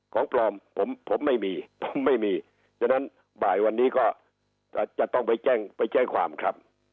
ของปลอมผมผมไม่มีผมไม่มีฉะนั้นบ่ายวันนี้ก็จะต้องไปแจ้งไปแจ้งความครับ